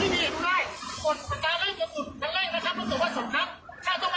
ดันเล่นพูดจอบว่าสองครับข้าวจบมาเจินห้า